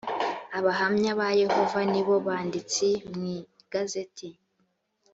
abahamya ba yehova ni bo banditsi mwi gazeti.